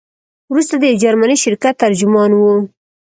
وروسته د یو جرمني شرکت ترجمان وو.